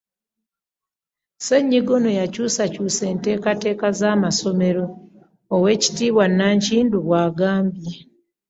Ssennyiga ono, yakyusakyusa enteekateeka z'amasomero, Oweekitiibwa Nankindu bw'agambye.